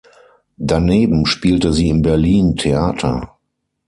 Daneben spielte sie in Berlin Theater.